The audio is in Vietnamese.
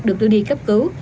được đưa đi cấp cứu